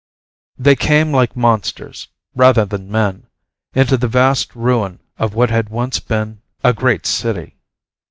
_ They came like monsters, rather than men, into the vast ruin of what had once been a great city.